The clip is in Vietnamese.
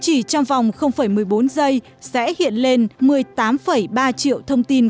chỉ trong vòng một mươi bốn giây sẽ hiện lên một mươi tám ba triệu thông tin